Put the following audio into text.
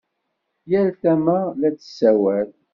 Yal tama la d-tessawal.